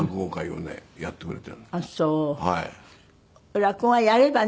落語はやればね